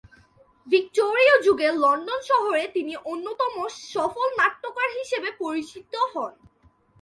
ভিক্টোরীয় যুগের লন্ডন শহরে তিনি অন্যতম সফল নাট্যকার হিসেবে পরিচিত হন।